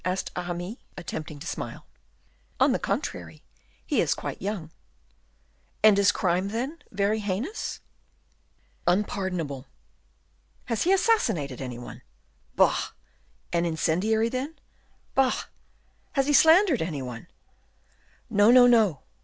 asked Aramis, attempting to smile. "On the contrary, he is quite young." "Is his crime, then, very heinous?" "Unpardonable." "Has he assassinated any one?" "Bah!" "An incendiary, then?" "Bah!" "Has he slandered any one?" "No, no!